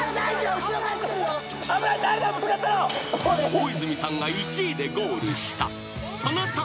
［大泉さんが１位でゴールしたそのとき！］